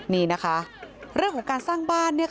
นี่นะคะเรื่องของการสร้างบ้านเนี่ย